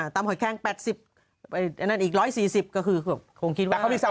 ตำฮอยแค้งแปดสิบอีกร้อยสี่สิบก็คือคงคิดว่า